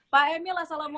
pak emil assalamualaikum